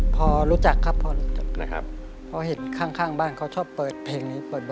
พอรู้จักครับพอเห็นข้างบ้านเขาชอบเปิดเพลงนี้เปิดบ่อย